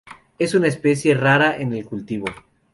Es una especie rara en el cultivo.